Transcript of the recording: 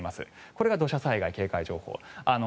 これが土砂災害警戒情報。